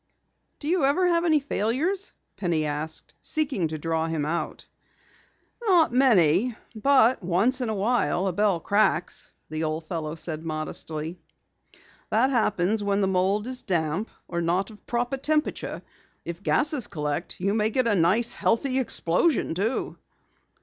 "Do you ever have any failures?" Penny asked, seeking to draw him out. "Not many, but once in awhile a bell cracks," the old fellow said modestly. "That happens when the mold is damp, or not of proper temperature. If gasses collect you may get a nice healthy explosion, too!"